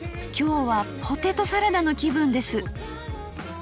今日はポテトサラダの気分です。